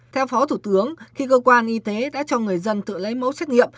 theo phó thủ tướng khi cơ quan y tế đã cho người dân tự lấy mẫu xét nghiệm